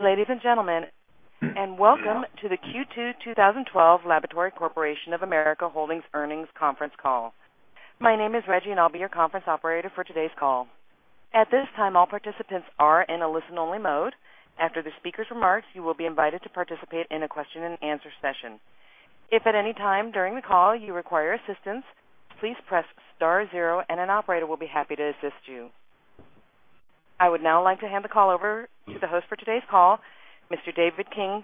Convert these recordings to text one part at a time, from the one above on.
Ladies and gentlemen, and welcome to the Q2 2012 Labcorp Holdings earnings conference call. My name is Reggie, and I'll be your conference operator for today's call. At this time, all participants are in a listen-only mode. After the speaker's remarks, you will be invited to participate in a question-and-answer session. If at any time during the call you require assistance, please press star zero, and an operator will be happy to assist you. I would now like to hand the call over to the host for today's call, Mr. David King,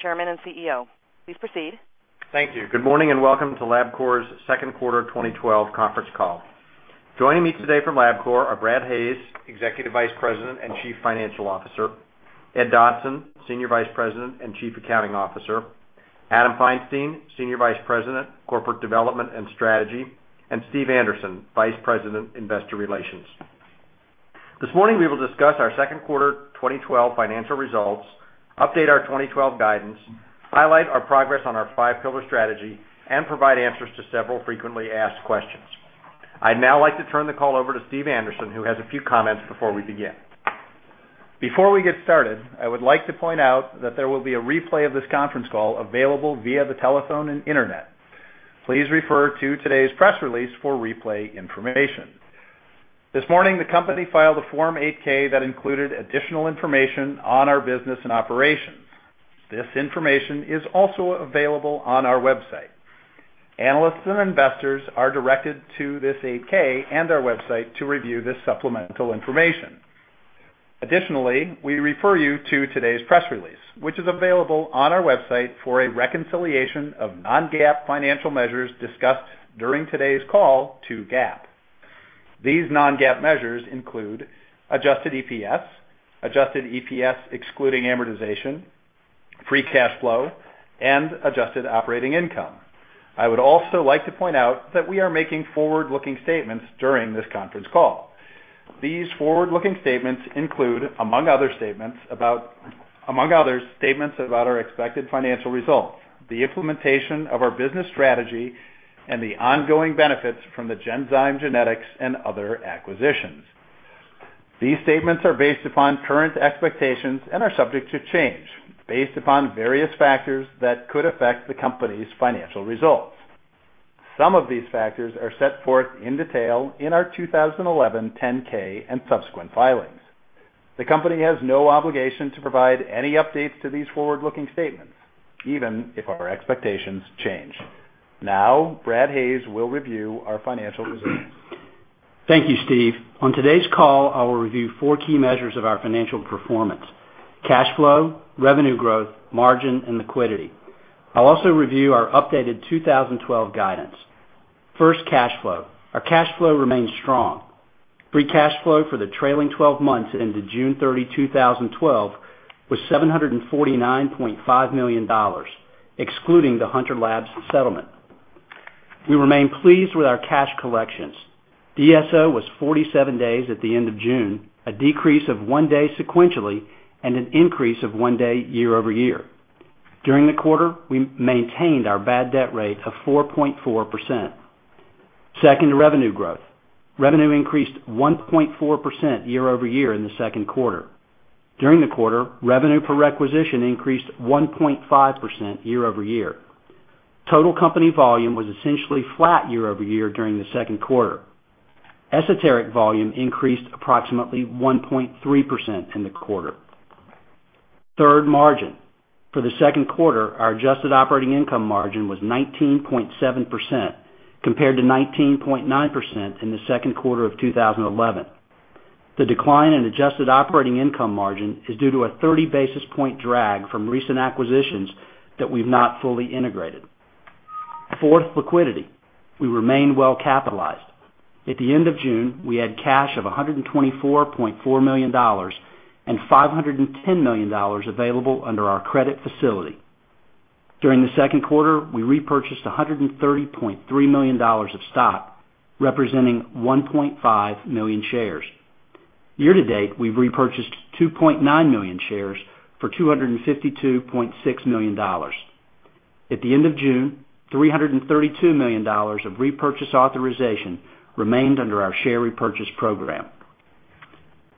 Chairman and CEO. Please proceed. Thank you. Good morning and welcome to Labcorp's second quarter 2012 conference call. Joining me today from Labcorp are Brad Hayes, Executive Vice President and Chief Financial Officer, Ed Dodson, Senior Vice President and Chief Accounting Officer, Adam Feinstein, Senior Vice President, Corporate Development and Strategy, and Steve Anderson, Vice President, Investor Relations. This morning, we will discuss our second quarter 2012 financial results, update our 2012 guidance, highlight our progress on our five-pillar strategy, and provide answers to several frequently asked questions. I'd now like to turn the call over to Steve Anderson, who has a few comments before we begin. Before we get started, I would like to point out that there will be a replay of this conference call available via the telephone and internet. Please refer to today's press release for replay information. This morning, the company filed a Form 8K that included additional information on our business and operations. This information is also available on our website. Analysts and investors are directed to this 8K and our website to review this supplemental information. Additionally, we refer you to today's press release, which is available on our website for a reconciliation of non-GAAP financial measures discussed during today's call to GAAP. These non-GAAP measures include adjusted EPS, adjusted EPS excluding amortization, free cash flow, and adjusted operating income. I would also like to point out that we are making forward-looking statements during this conference call. These forward-looking statements include, among other statements, about our expected financial results, the implementation of our business strategy, and the ongoing benefits from the Genzyme Genetics and other acquisitions. These statements are based upon current expectations and are subject to change, based upon various factors that could affect the company's financial results. Some of these factors are set forth in detail in our 2011 10-K and subsequent filings. The company has no obligation to provide any updates to these forward-looking statements, even if our expectations change. Now, Brad Hayes will review our financial results. Thank you, Steve. On today's call, I will review four key measures of our financial performance: cash flow, revenue growth, margin, and liquidity. I'll also review our updated 2012 guidance. First, cash flow. Our cash flow remains strong. Free cash flow for the trailing 12 months into June 30, 2012, was $749.5 million, excluding the Hunter Labs settlement. We remain pleased with our cash collections. DSO was 47 days at the end of June, a decrease of one day sequentially, and an increase of one day year-over-year. During the quarter, we maintained our bad debt rate of 4.4%. Second, revenue growth. Revenue increased 1.4% year-over-year in the second quarter. During the quarter, revenue per requisition increased 1.5% year-over-year. Total company volume was essentially flat year-over-year during the second quarter. Esoteric volume increased approximately 1.3% in the quarter. Third, margin. For the second quarter, our adjusted operating income margin was 19.7%, compared to 19.9% in the second quarter of 2011. The decline in adjusted operating income margin is due to a 30 basis point drag from recent acquisitions that we've not fully integrated. Fourth, liquidity. We remain well capitalized. At the end of June, we had cash of $124.4 million and $510 million available under our credit facility. During the second quarter, we repurchased $130.3 million of stock, representing 1.5 million shares. Year to date, we've repurchased 2.9 million shares for $252.6 million. At the end of June, $332 million of repurchase authorization remained under our share repurchase program.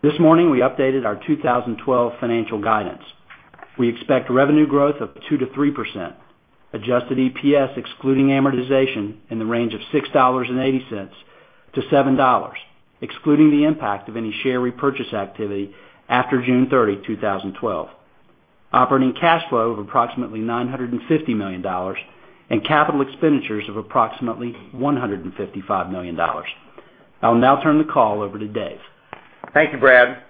This morning, we updated our 2012 financial guidance. We expect revenue growth of 2%-3%, adjusted EPS excluding amortization in the range of $6.80-$7, excluding the impact of any share repurchase activity after June 30, 2012. Operating cash flow of approximately $950 million and capital expenditures of approximately $155 million. I'll now turn the call over to Dave. Thank you, Brad.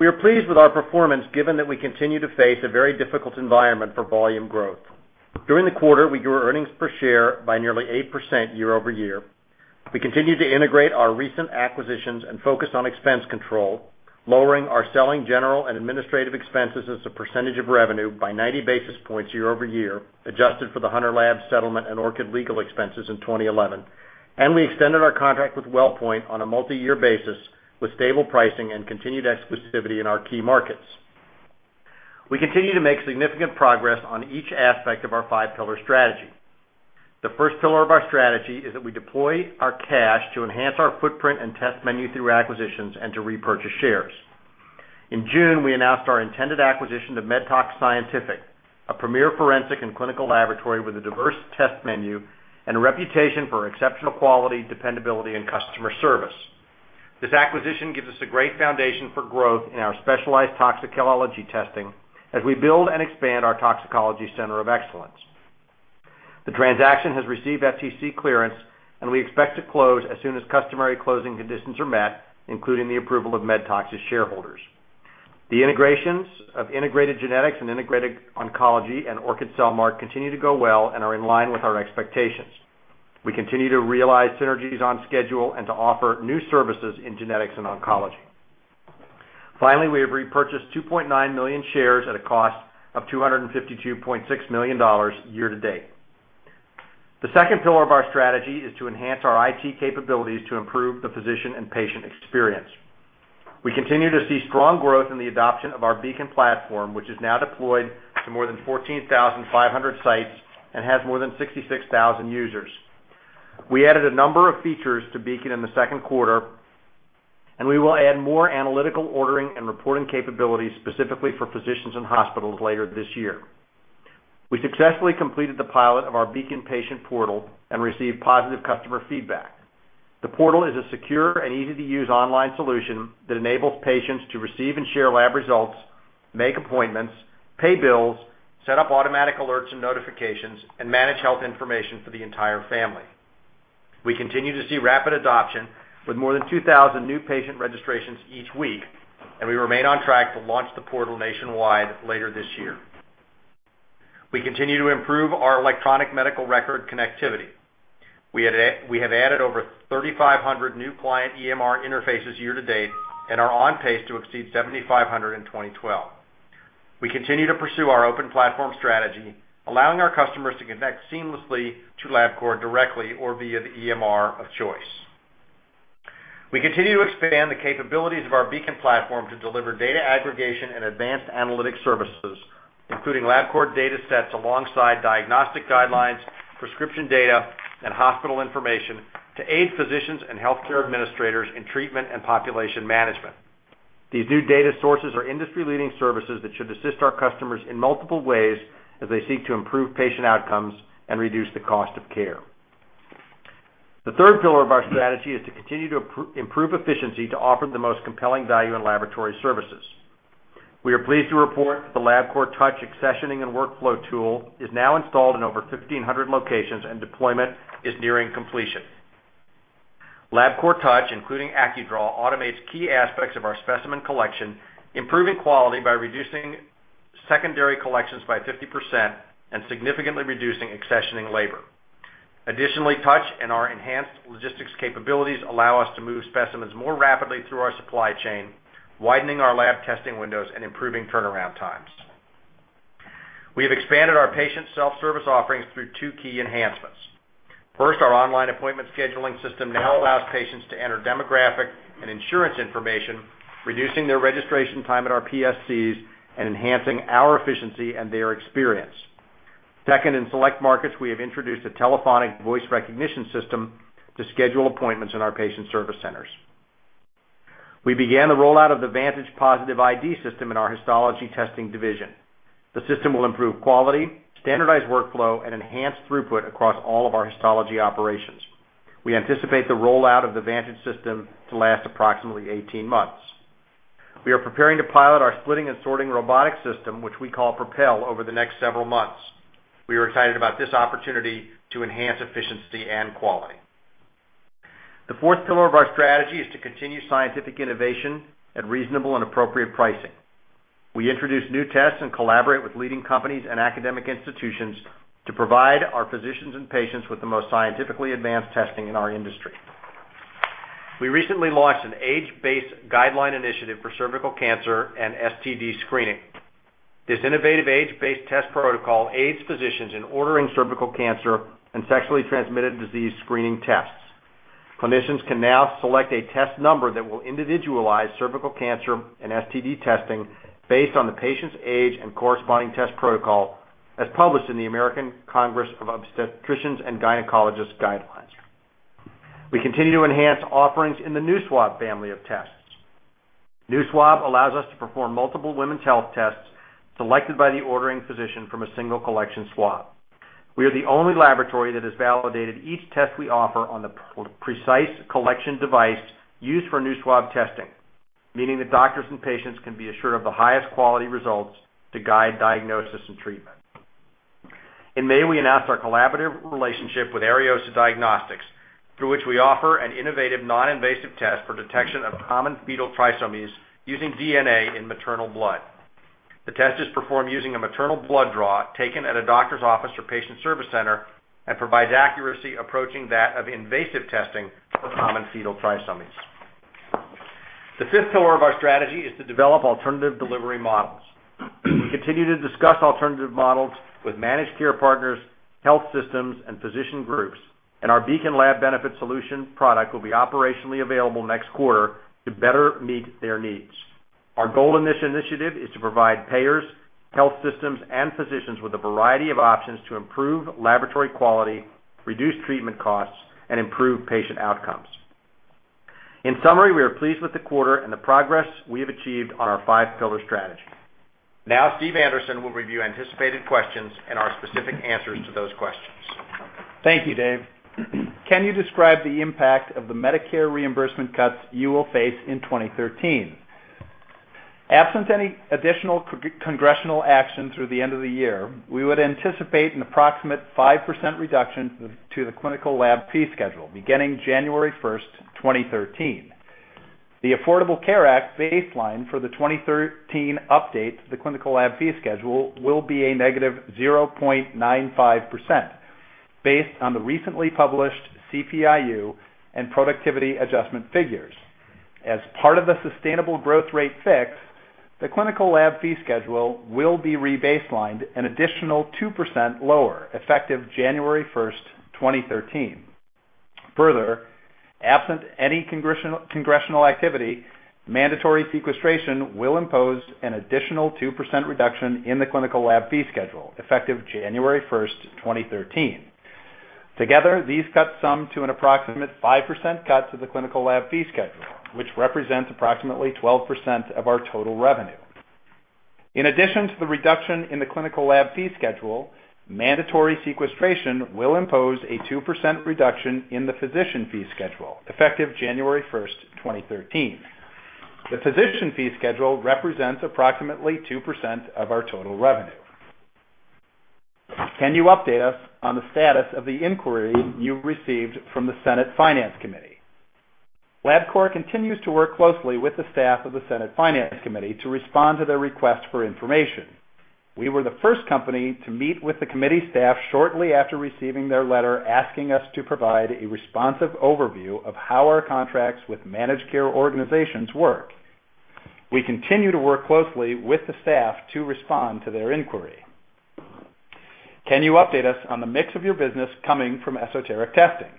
We are pleased with our performance given that we continue to face a very difficult environment for volume growth. During the quarter, we grew earnings per share by nearly 8% year-over-year. We continued to integrate our recent acquisitions and focus on expense control, lowering our selling, general, and administrative expenses as a percentage of revenue by 90 basis points year-over-year, adjusted for the Hunter Labs settlement and Orchid legal expenses in 2011. We extended our contract with WellPoint on a multi-year basis with stable pricing and continued exclusivity in our key markets. We continue to make significant progress on each aspect of our five-pillar strategy. The first pillar of our strategy is that we deploy our cash to enhance our footprint and test menu through acquisitions and to repurchase shares. In June, we announced our intended acquisition of MedTox Scientific, a premier forensic and clinical laboratory with a diverse test menu and a reputation for exceptional quality, dependability, and customer service. This acquisition gives us a great foundation for growth in our specialized toxicology testing as we build and expand our toxicology center of excellence. The transaction has received FTC clearance, and we expect to close as soon as customary closing conditions are met, including the approval of MedTox's shareholders. The integrations of Integrated Genetics and Integrated Oncology and Orchid Cellmark continue to go well and are in line with our expectations. We continue to realize synergies on schedule and to offer new services in genetics and oncology. Finally, we have repurchased 2.9 million shares at a cost of $252.6 million year to date. The second pillar of our strategy is to enhance our IT capabilities to improve the physician and patient experience. We continue to see strong growth in the adoption of our Beacon platform, which is now deployed to more than 14,500 sites and has more than 66,000 users. We added a number of features to Beacon in the second quarter, and we will add more analytical ordering and reporting capabilities specifically for physicians and hospitals later this year. We successfully completed the pilot of our Beacon Patient Portal and received positive customer feedback. The portal is a secure and easy-to-use online solution that enables patients to receive and share lab results, make appointments, pay bills, set up automatic alerts and notifications, and manage health information for the entire family. We continue to see rapid adoption with more than 2,000 new patient registrations each week, and we remain on track to launch the portal nationwide later this year. We continue to improve our electronic medical record connectivity. We have added over 3,500 new client EMR interfaces year to date and are on pace to exceed 7,500 in 2012. We continue to pursue our open platform strategy, allowing our customers to connect seamlessly to Labcorp directly or via the EMR of choice. We continue to expand the capabilities of our Beacon platform to deliver data aggregation and advanced analytic services, including Labcorp data sets alongside diagnostic guidelines, prescription data, and hospital information to aid physicians and healthcare administrators in treatment and population management. These new data sources are industry-leading services that should assist our customers in multiple ways as they seek to improve patient outcomes and reduce the cost of care. The third pillar of our strategy is to continue to improve efficiency to offer the most compelling value in laboratory services. We are pleased to report that the Labcorp Touch accessioning and workflow tool is now installed in over 1,500 locations, and deployment is nearing completion. Labcorp Touch, including AccuDraw, automates key aspects of our specimen collection, improving quality by reducing secondary collections by 50% and significantly reducing accessioning labor. Additionally, Touch and our enhanced logistics capabilities allow us to move specimens more rapidly through our supply chain, widening our lab testing windows and improving turnaround times. We have expanded our patient self-service offerings through two key enhancements. First, our online appointment scheduling system now allows patients to enter demographic and insurance information, reducing their registration time at our PSCs and enhancing our efficiency and their experience. Second, in select markets, we have introduced a telephonic voice recognition system to schedule appointments in our patient service centers. We began the rollout of the Vantage Positive ID system in our histology testing division. The system will improve quality, standardize workflow, and enhance throughput across all of our histology operations. We anticipate the rollout of the Vantage system to last approximately 18 months. We are preparing to pilot our splitting and sorting robotic system, which we call Propel, over the next several months. We are excited about this opportunity to enhance efficiency and quality. The fourth pillar of our strategy is to continue scientific innovation at reasonable and appropriate pricing. We introduce new tests and collaborate with leading companies and academic institutions to provide our physicians and patients with the most scientifically advanced testing in our industry. We recently launched an age-based guideline initiative for cervical cancer and STD screening. This innovative age-based test protocol aids physicians in ordering cervical cancer and sexually transmitted disease screening tests. Clinicians can now select a test number that will individualize cervical cancer and STD testing based on the patient's age and corresponding test protocol, as published in the American Congress of Obstetricians and Gynecologists Guidelines. We continue to enhance offerings in the NuSwab family of tests. NuSwab allows us to perform multiple women's health tests selected by the ordering physician from a single collection swab. We are the only laboratory that has validated each test we offer on the precise collection device used for NuSwab testing, meaning that doctors and patients can be assured of the highest quality results to guide diagnosis and treatment. In May, we announced our collaborative relationship with Ariosa Diagnostics, through which we offer an innovative non-invasive test for detection of common fetal trisomies using DNA in maternal blood. The test is performed using a maternal blood draw taken at a doctor's office or patient service center and provides accuracy approaching that of invasive testing for common fetal trisomies. The fifth pillar of our strategy is to develop alternative delivery models. We continue to discuss alternative models with managed care partners, health systems, and physician groups, and our Beacon Lab Benefit Solution product will be operationally available next quarter to better meet their needs. Our goal in this initiative is to provide payers, health systems, and physicians with a variety of options to improve laboratory quality, reduce treatment costs, and improve patient outcomes. In summary, we are pleased with the quarter and the progress we have achieved on our five-pillar strategy. Now, Steve Anderson will review anticipated questions and our specific answers to those questions. Thank you, Dave. Can you describe the impact of the Medicare reimbursement cuts you will face in 2013?. Absent any additional congressional action through the end of the year, we would anticipate an approximate 5% reduction to the clinical lab fee schedule beginning January 1, 2013. The Affordable Care Act baseline for the 2013 update to the clinical lab fee schedule will be a negative 0.95% based on the recently published CPIU and productivity adjustment figures. As part of the sustainable growth rate fix, the clinical lab fee schedule will be rebaselined an additional 2% lower, effective January 1, 2013. Further, absent any congressional activity, mandatory sequestration will impose an additional 2% reduction in the clinical lab fee schedule, effective January 1, 2013. Together, these cuts sum to an approximate 5% cut to the clinical lab fee schedule, which represents approximately 12% of our total revenue. In addition to the reduction in the clinical lab fee schedule, mandatory sequestration will impose a 2% reduction in the physician fee schedule, effective January 1, 2013. The physician fee schedule represents approximately 2% of our total revenue. Can you update us on the status of the inquiry you received from the Senate Finance Committee?. Labcorp continues to work closely with the staff of the Senate Finance Committee to respond to their request for information. We were the first company to meet with the committee staff shortly after receiving their letter asking us to provide a responsive overview of how our contracts with managed care organizations work. We continue to work closely with the staff to respond to their inquiry. Can you update us on the mix of your business coming from esoteric testing?.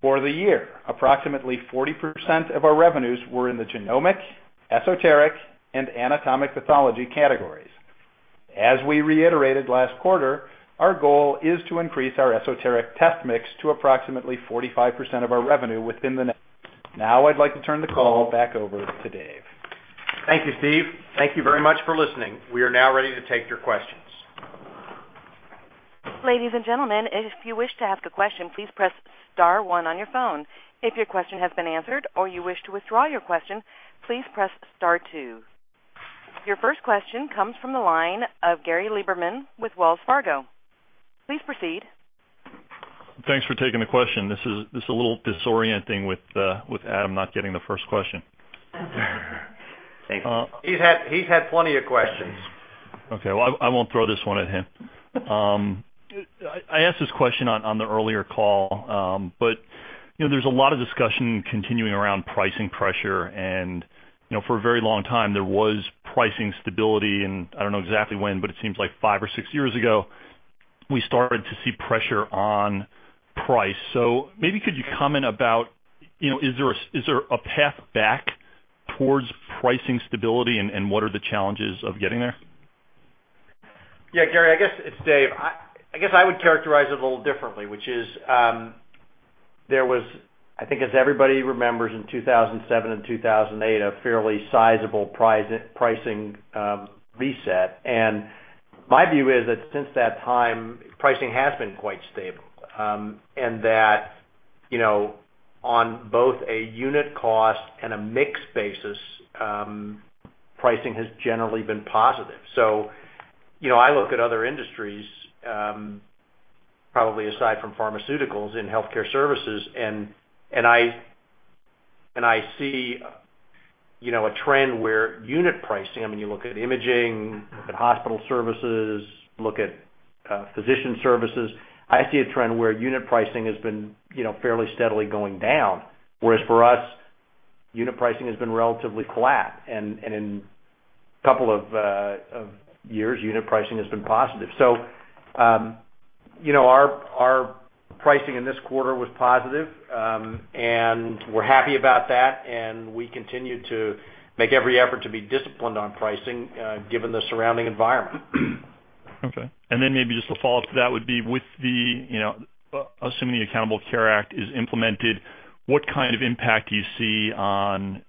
For the year, approximately 40% of our revenues were in the genomic, esoteric, and anatomic pathology categories. As we reiterated last quarter, our goal is to increase our esoteric test mix to approximately 45% of our revenue within the. Now, I'd like to turn the call back over to Dave. Thank you, Steve. Thank you very much for listening. We are now ready to take your questions. Ladies and gentlemen, if you wish to ask a question, please press star one on your phone. If your question has been answered or you wish to withdraw your question, please press star two. Your first question comes from the line of Gary Lieberman with Wells Fargo. Please proceed. Thanks for taking the question. This is a little disorienting with Adam not getting the first question. Thanks. He's had plenty of questions. Okay. I will not throw this one at him. I asked this question on the earlier call, but there is a lot of discussion continuing around pricing pressure. For a very long time, there was pricing stability, and I do not know exactly when, but it seems like five or six years ago, we started to see pressure on price. Maybe could you comment about, is there a path back towards pricing stability, and what are the challenges of getting there?. Yeah, Gary, I guess it's Dave. I guess I would characterize it a little differently, which is there was, I think, as everybody remembers, in 2007 and 2008, a fairly sizable pricing reset. My view is that since that time, pricing has been quite stable and that on both a unit cost and a mixed basis, pricing has generally been positive. I look at other industries, probably aside from pharmaceuticals, in healthcare services, and I see a trend where unit pricing—I mean, you look at imaging, look at hospital services, look at physician services—I see a trend where unit pricing has been fairly steadily going down, whereas for us, unit pricing has been relatively flat. In a couple of years, unit pricing has been positive. Our pricing in this quarter was positive, and we're happy about that, and we continue to make every effort to be disciplined on pricing given the surrounding environment. Okay. Maybe just a follow-up to that would be, with the assuming the Accountable Care Act is implemented, what kind of impact do you see on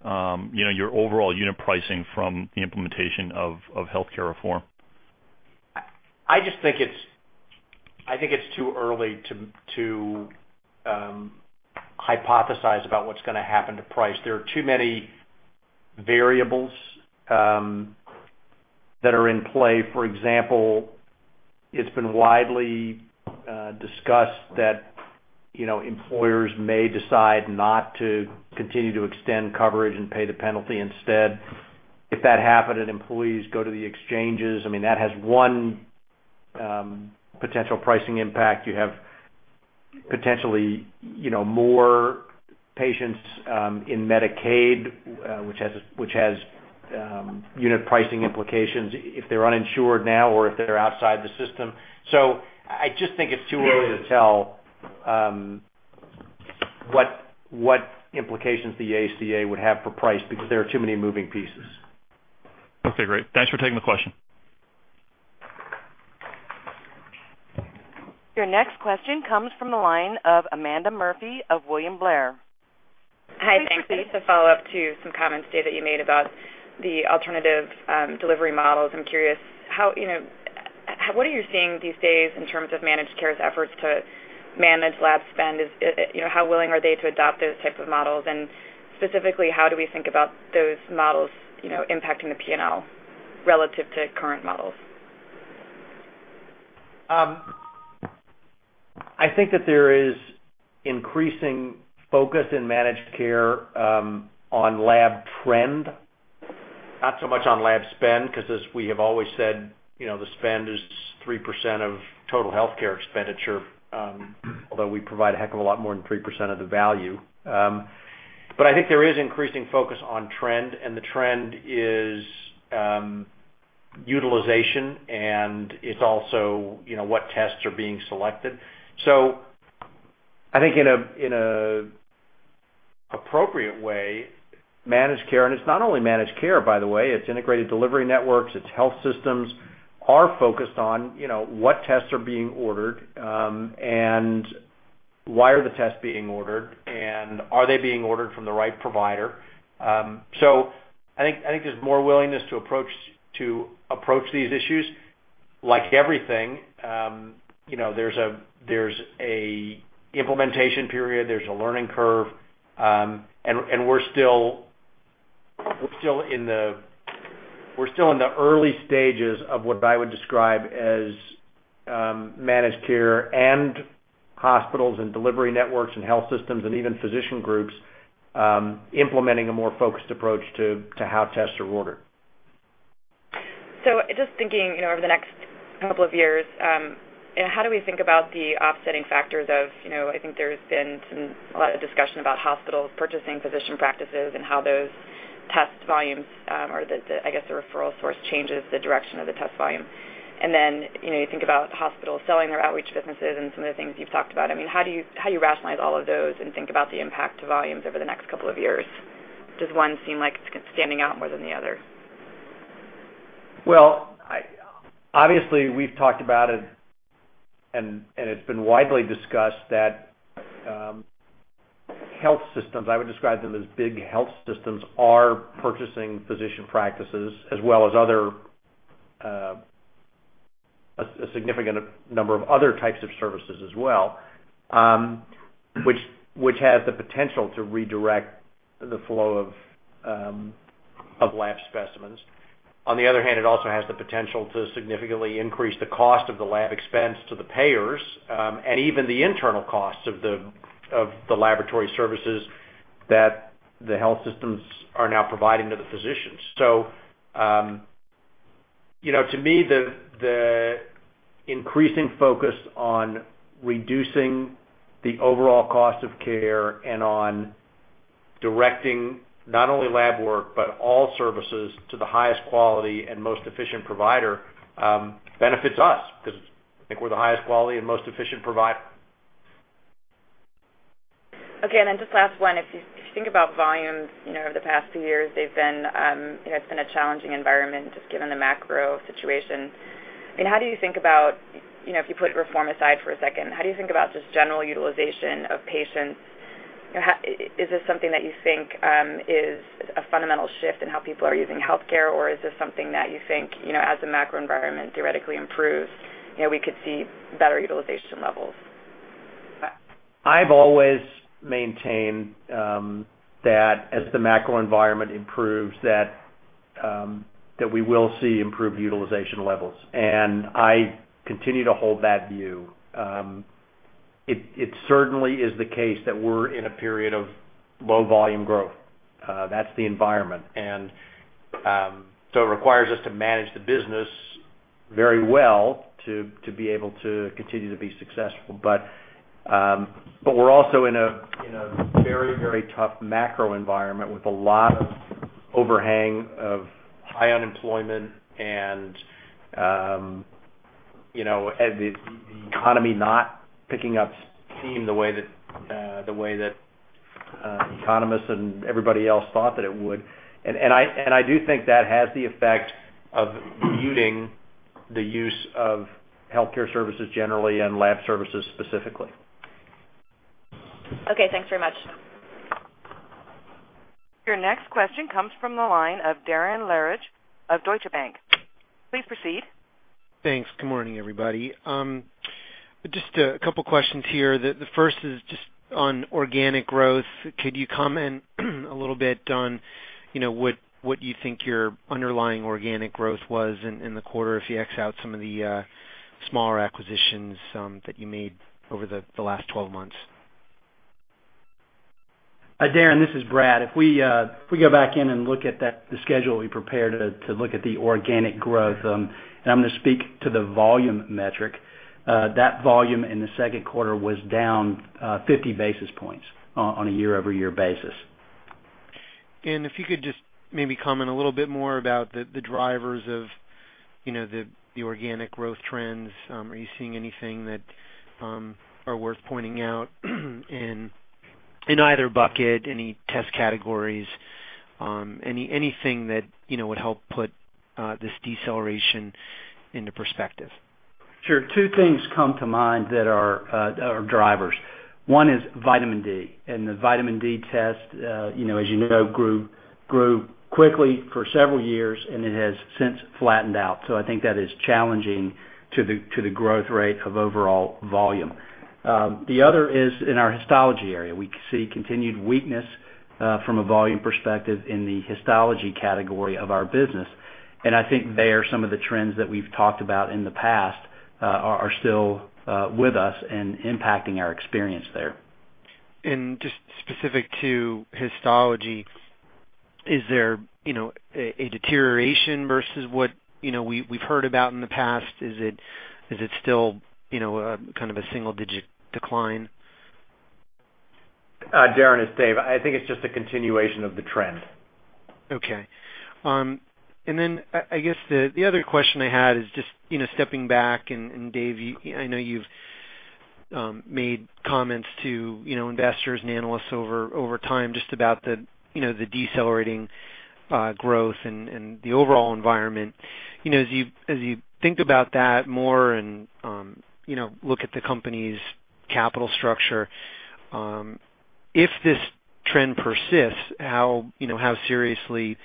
your overall unit pricing from the implementation of healthcare reform?. I just think it's too early to hypothesize about what's going to happen to price. There are too many variables that are in play. For example, it's been widely discussed that employers may decide not to continue to extend coverage and pay the penalty instead. If that happened and employees go to the exchanges, I mean, that has one potential pricing impact. You have potentially more patients in Medicaid, which has unit pricing implications if they're uninsured now or if they're outside the system. I just think it's too early to tell what implications the ACA would have for price because there are too many moving pieces. Okay. Great. Thanks for taking the question. Your next question comes from the line of Amanda Murphy of William Blair. Hi. Thanks, Steve. To follow up to some comments, Dave, that you made about the alternative delivery models, I'm curious, what are you seeing these days in terms of managed care's efforts to manage lab spend?. How willing are they to adopt those types of models?. Specifically, how do we think about those models impacting the P&L relative to current models?. I think that there is increasing focus in managed care on lab trend, not so much on lab spend because, as we have always said, the spend is 3% of total healthcare expenditure, although we provide a heck of a lot more than 3% of the value. I think there is increasing focus on trend, and the trend is utilization, and it's also what tests are being selected. I think in an appropriate way, managed care—and it's not only managed care, by the way, it's integrated delivery networks, it's health systems—are focused on what tests are being ordered and why are the tests being ordered, and are they being ordered from the right provider. I think there's more willingness to approach these issues. Like everything, there's an implementation period, there's a learning curve, and we're still in the early stages of what I would describe as managed care and hospitals and delivery networks and health systems and even physician groups implementing a more focused approach to how tests are ordered. Just thinking over the next couple of years, how do we think about the offsetting factors of—I think there's been a lot of discussion about hospitals purchasing physician practices and how those test volumes or, I guess, the referral source changes the direction of the test volume. You think about hospitals selling their outreach businesses and some of the things you've talked about. I mean, how do you rationalize all of those and think about the impact to volumes over the next couple of years?. Does one seem like it's standing out more than the other?. Obviously, we've talked about it, and it's been widely discussed that health systems—I would describe them as big health systems—are purchasing physician practices as well as a significant number of other types of services as well, which has the potential to redirect the flow of lab specimens. On the other hand, it also has the potential to significantly increase the cost of the lab expense to the payers and even the internal costs of the laboratory services that the health systems are now providing to the physicians. To me, the increasing focus on reducing the overall cost of care and on directing not only lab work but all services to the highest quality and most efficient provider benefits us because I think we're the highest quality and most efficient provider. Okay. And then just last one. If you think about volumes over the past few years, they've been—it's been a challenging environment just given the macro situation. I mean, how do you think about—if you put reform aside for a second—how do you think about just general utilization of patients? Is this something that you think is a fundamental shift in how people are using healthcare, or is this something that you think, as the macro environment theoretically improves, we could see better utilization levels? I've always maintained that as the macro environment improves, we will see improved utilization levels. I continue to hold that view. It certainly is the case that we're in a period of low volume growth. That's the environment. It requires us to manage the business very well to be able to continue to be successful. We're also in a very, very tough macro environment with a lot of overhang of high unemployment and the economy not picking up steam the way that economists and everybody else thought that it would. I do think that has the effect of muting the use of healthcare services generally and lab services specifically. Okay. Thanks very much. Your next question comes from the line of Darren Lehrich of Deutsche Bank. Please proceed. Thanks. Good morning, everybody. Just a couple of questions here. The first is just on organic growth. Could you comment a little bit on what you think your underlying organic growth was in the quarter if you X out some of the smaller acquisitions that you made over the last 12 months?. Darren, this is Brad. If we go back in and look at the schedule we prepared to look at the organic growth, and I'm going to speak to the volume metric, that volume in the second quarter was down 50 basis points on a year-over-year basis. If you could just maybe comment a little bit more about the drivers of the organic growth trends, are you seeing anything that are worth pointing out in either bucket, any test categories, anything that would help put this deceleration into perspective?. Sure. Two things come to mind that are drivers. One is vitamin D. And the vitamin D test, as you know, grew quickly for several years, and it has since flattened out. I think that is challenging to the growth rate of overall volume. The other is in our histology area. We see continued weakness from a volume perspective in the histology category of our business. I think there some of the trends that we've talked about in the past are still with us and impacting our experience there. Just specific to histology, is there a deterioration versus what we've heard about in the past?. Is it still kind of a single-digit decline?. Darren, it's Dave. I think it's just a continuation of the trend. Okay. I guess the other question I had is just stepping back. Dave, I know you've made comments to investors and analysts over time just about the decelerating growth and the overall environment. As you think about that more and look at the company's capital structure, if this trend persists, how seriously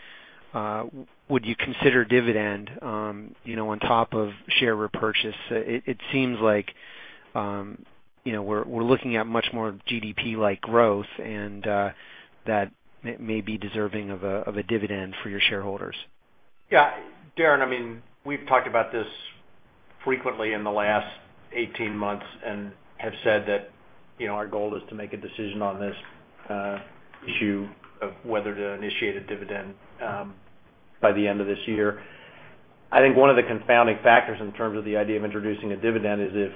would you consider dividend on top of share repurchase?. It seems like we're looking at much more GDP-like growth, and that may be deserving of a dividend for your shareholders. Yeah. Darren, I mean, we've talked about this frequently in the last 18 months and have said that our goal is to make a decision on this issue of whether to initiate a dividend by the end of this year. I think one of the confounding factors in terms of the idea of introducing a dividend is if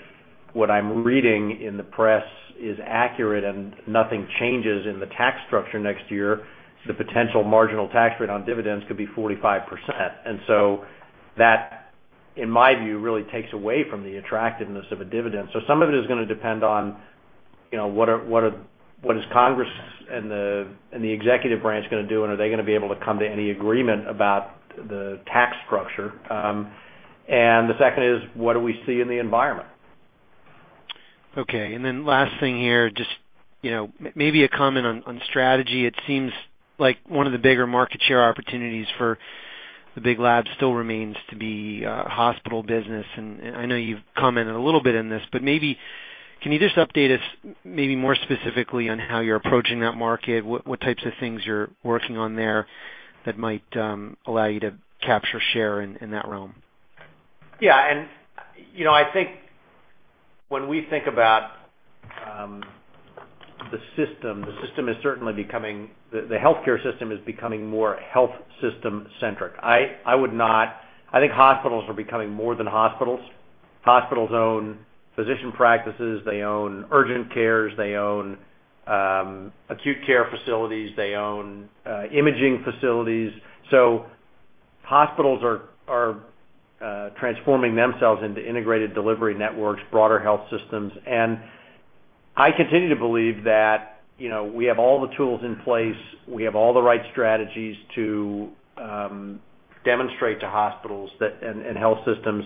what I'm reading in the press is accurate and nothing changes in the tax structure next year, the potential marginal tax rate on dividends could be 45%. That, in my view, really takes away from the attractiveness of a dividend. Some of it is going to depend on what is Congress and the executive branch going to do, and are they going to be able to come to any agreement about the tax structure?. The second is, what do we see in the environment?. Okay. And then last thing here, just maybe a comment on strategy. It seems like one of the bigger market share opportunities for the big labs still remains to be hospital business. I know you've commented a little bit on this, but maybe can you just update us maybe more specifically on how you're approaching that market?. What types of things you're working on there that might allow you to capture share in that realm?. Yeah. I think when we think about the system, the system is certainly becoming, the healthcare system is becoming more health system-centric. I think hospitals are becoming more than hospitals. Hospitals own physician practices. They own urgent cares. They own acute care facilities. They own imaging facilities. Hospitals are transforming themselves into integrated delivery networks, broader health systems. I continue to believe that we have all the tools in place. We have all the right strategies to demonstrate to hospitals and health systems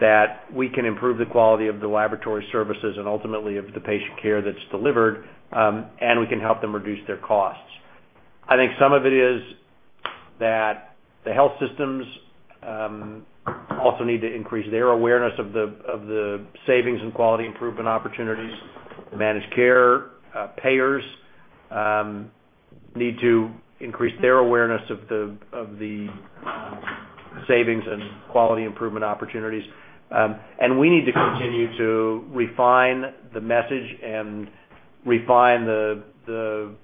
that we can improve the quality of the laboratory services and ultimately of the patient care that is delivered, and we can help them reduce their costs. I think some of it is that the health systems also need to increase their awareness of the savings and quality improvement opportunities. Managed care payers need to increase their awareness of the savings and quality improvement opportunities. We need to continue to refine the message and refine the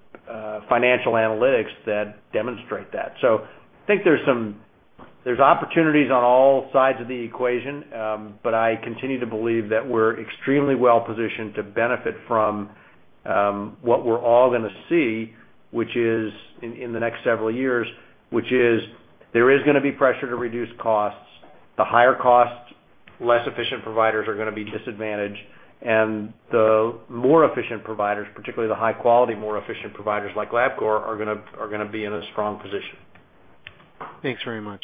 financial analytics that demonstrate that. I think there are opportunities on all sides of the equation, but I continue to believe that we are extremely well-positioned to benefit from what we are all going to see, which is in the next several years, there is going to be pressure to reduce costs. The higher costs, less efficient providers are going to be disadvantaged, and the more efficient providers, particularly the high-quality, more efficient providers like Labcorp, are going to be in a strong position. Thanks very much.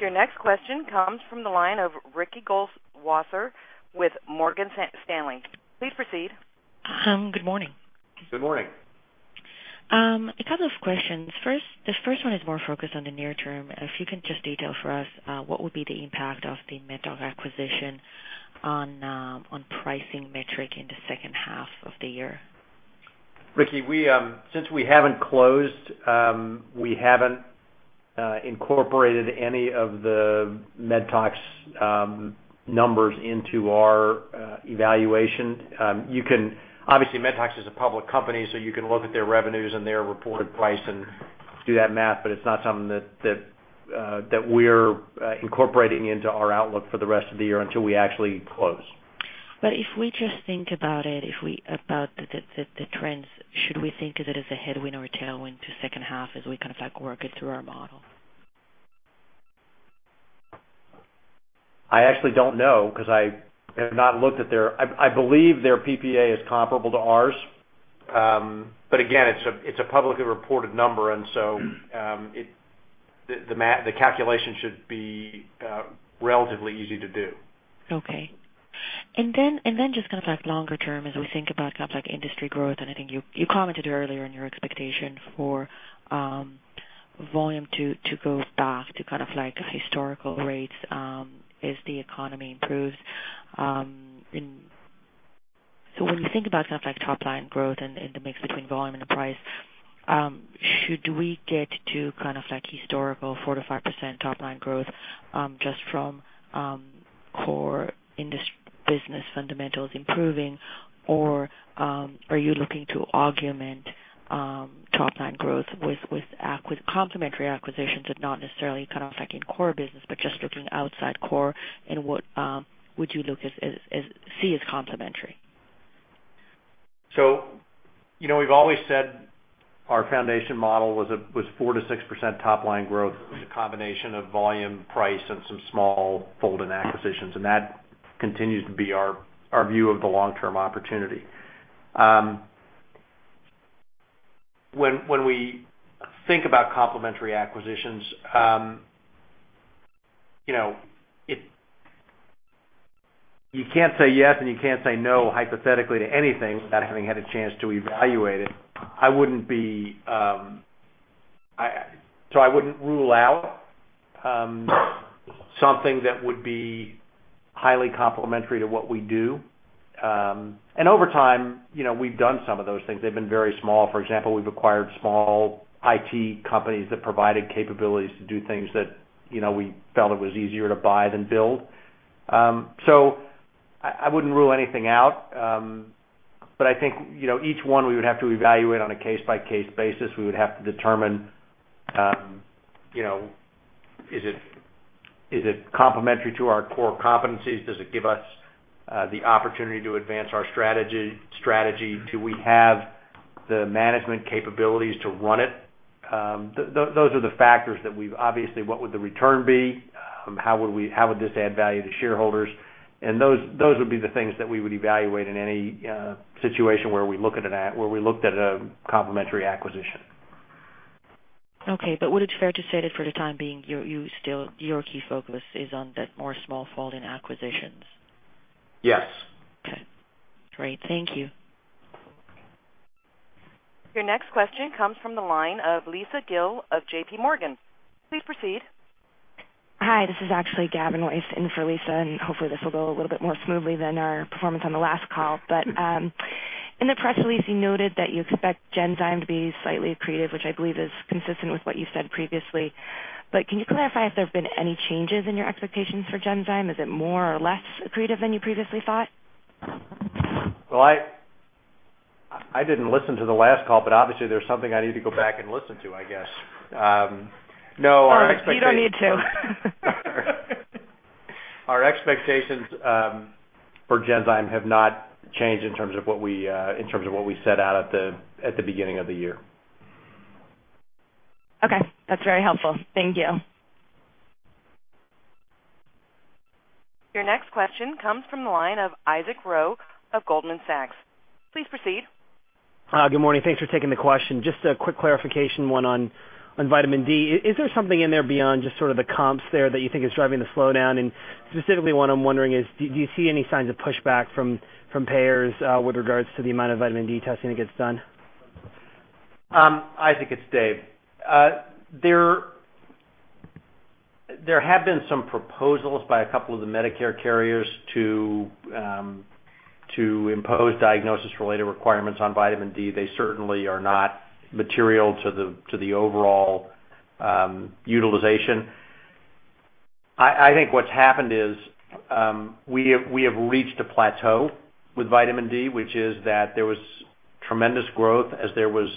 Your next question comes from the line of Ricky Goldwasser with Morgan Stanley. Please proceed. Good morning. Good morning. A couple of questions. First, the first one is more focused on the near term. If you can just detail for us what would be the impact of the MedTox acquisition on pricing metric in the second half of the year?. Ricky, since we haven't closed, we haven't incorporated any of the MedTox numbers into our evaluation. Obviously, MedTox is a public company, so you can look at their revenues and their reported price and do that math, but it's not something that we're incorporating into our outlook for the rest of the year until we actually close. If we just think about it, about the trends, should we think of it as a headwind or a tailwind to second half as we kind of work it through our model?. I actually don't know because I have not looked at their, I believe their PPA is comparable to ours. Again, it's a publicly reported number, and so the calculation should be relatively easy to do. Okay. And then just kind of longer term as we think about kind of industry growth, and I think you commented earlier on your expectation for volume to go back to kind of historical rates as the economy improves. When you think about kind of top-line growth and the mix between volume and price, should we get to kind of historical 4%-5% top-line growth just from core business fundamentals improving, or are you looking to augment top-line growth with complementary acquisitions that are not necessarily kind of in core business, but just looking outside core? What would you see as complementary?. We've always said our foundation model was 4%-6% top-line growth. It was a combination of volume, price, and some small fold-in acquisitions. That continues to be our view of the long-term opportunity. When we think about complementary acquisitions, you can't say yes, and you can't say no hypothetically to anything without having had a chance to evaluate it. I wouldn't rule out something that would be highly complementary to what we do. Over time, we've done some of those things. They've been very small. For example, we've acquired small IT companies that provided capabilities to do things that we felt it was easier to buy than build. I wouldn't rule anything out. I think each one we would have to evaluate on a case-by-case basis. We would have to determine is it complementary to our core competencies?. Does it give us the opportunity to advance our strategy?. Do we have the management capabilities to run it?. Those are the factors that we've obviously—what would the return be?. How would this add value to shareholders?. Those would be the things that we would evaluate in any situation where we look at a complementary acquisition. Okay. Would it be fair to say that for the time being, your key focus is on the more small fold-in acquisitions?. Yes. Okay. Great. Thank you. Your next question comes from the line of Lisa Gill of JP Morgan. Please proceed. Hi. This is actually Gavin Weiss in for Lisa, and hopefully this will go a little bit more smoothly than our performance on the last call. In the press release, you noted that you expect Genzyme to be slightly accretive, which I believe is consistent with what you said previously. Can you clarify if there have been any changes in your expectations for Genzyme?. Is it more or less accretive than you previously thought?. I didn't listen to the last call, but obviously there's something I need to go back and listen to, I guess. No, our expectations. Sorry. You don't need to. Our expectations for Genzyme have not changed in terms of what we set out at the beginning of the year. Okay. That's very helpful. Thank you. Your next question comes from the line of Isaac Ro of Goldman Sachs. Please proceed. Hi. Good morning. Thanks for taking the question. Just a quick clarification one on vitamin D. Is there something in there beyond just sort of the comps there that you think is driving the slowdown?. Specifically, what I'm wondering is, do you see any signs of pushback from payers with regards to the amount of vitamin D testing that gets done?. Isaac, it's Dave. There have been some proposals by a couple of the Medicare carriers to impose diagnosis-related requirements on vitamin D. They certainly are not material to the overall utilization. I think what's happened is we have reached a plateau with vitamin D, which is that there was tremendous growth as there was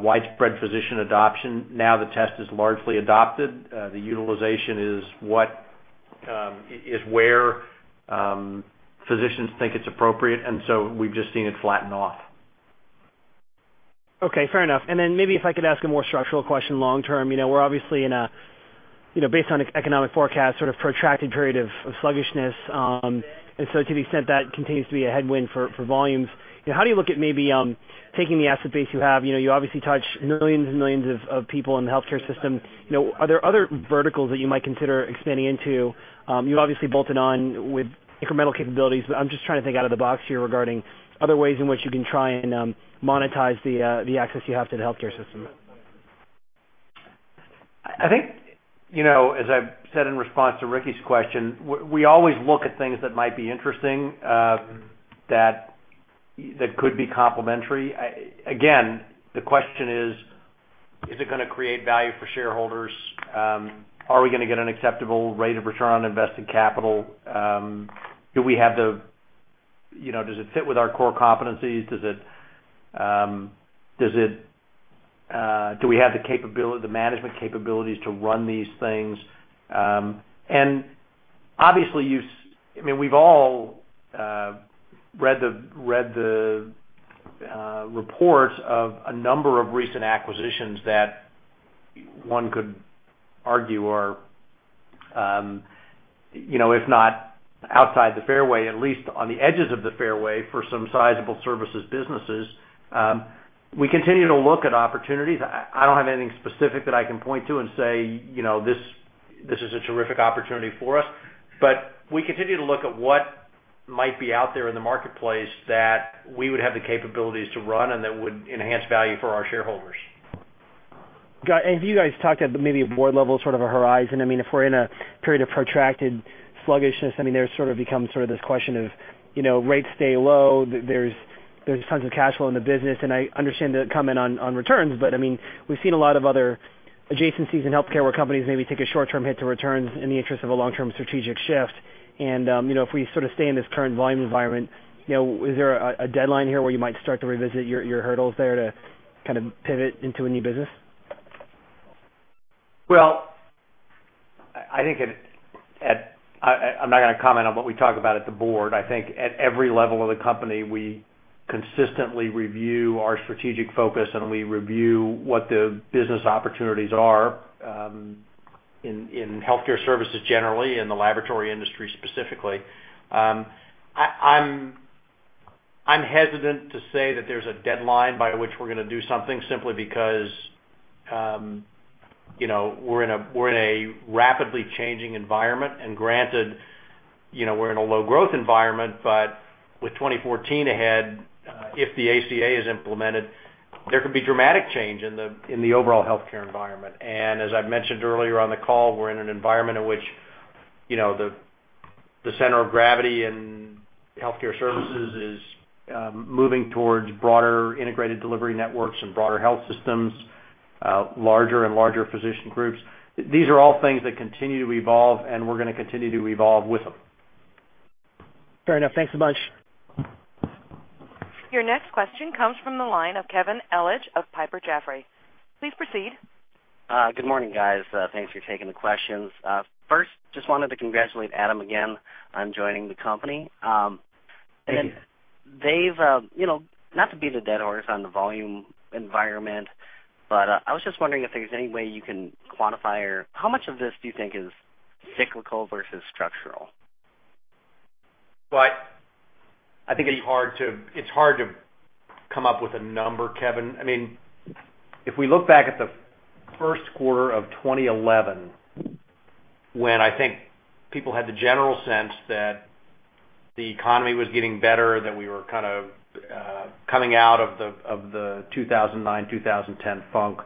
widespread physician adoption. Now the test is largely adopted. The utilization is where physicians think it's appropriate. We have just seen it flatten off. Okay. Fair enough. Maybe if I could ask a more structural question long-term. We're obviously in a, based on economic forecast, sort of protracted period of sluggishness. To the extent that continues to be a headwind for volumes, how do you look at maybe taking the asset base you have?. You obviously touch millions and millions of people in the healthcare system. Are there other verticals that you might consider expanding into?. You've obviously bolted on with incremental capabilities, but I'm just trying to think out of the box here regarding other ways in which you can try and monetize the access you have to the healthcare system. I think, as I've said in response to Ricky's question, we always look at things that might be interesting that could be complementary. Again, the question is, is it going to create value for shareholders?. Are we going to get an acceptable rate of return on invested capital?, Do we have the—does it fit with our core competencies?, Do we have the management capabilities to run these things?. Obviously, I mean, we've all read the reports of a number of recent acquisitions that one could argue are, if not outside the fairway, at least on the edges of the fairway for some sizable services businesses. We continue to look at opportunities. I don't have anything specific that I can point to and say, "This is a terrific opportunity for us." We continue to look at what might be out there in the marketplace that we would have the capabilities to run and that would enhance value for our shareholders. Got it. If you guys talk at maybe a board level, sort of a horizon, I mean, if we're in a period of protracted sluggishness, I mean, there sort of becomes this question of rates stay low, there's tons of cash flow in the business. I understand the comment on returns, but I mean, we've seen a lot of other adjacencies in healthcare where companies maybe take a short-term hit to returns in the interest of a long-term strategic shift. If we sort of stay in this current volume environment, is there a deadline here where you might start to revisit your hurdles there to kind of pivot into a new business?. I think I'm not going to comment on what we talk about at the board. I think at every level of the company, we consistently review our strategic focus, and we review what the business opportunities are in healthcare services generally and the laboratory industry specifically. I'm hesitant to say that there's a deadline by which we're going to do something simply because we're in a rapidly changing environment. Granted, we're in a low-growth environment, but with 2014 ahead, if the ACA is implemented, there could be dramatic change in the overall healthcare environment. As I've mentioned earlier on the call, we're in an environment in which the center of gravity in healthcare services is moving towards broader integrated delivery networks and broader health systems, larger and larger physician groups. These are all things that continue to evolve, and we're going to continue to evolve with them. Fair enough. Thanks so much. Your next question comes from the line of Kevin Elledge of Piper Jaffray. Please proceed. Good morning, guys. Thanks for taking the questions. First, just wanted to congratulate Adam again on joining the company. Thank you. Not to beat the dead horse on the volume environment, but I was just wondering if there's any way you can quantify or how much of this do you think is cyclical versus structural?. I think it's hard to come up with a number, Kevin. I mean, if we look back at the first quarter of 2011, when I think people had the general sense that the economy was getting better, that we were kind of coming out of the 2009, 2010 funk,